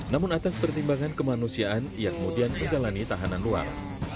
namun atas pertimbangan kemanusiaan ia kemudian menjalani tahanan luar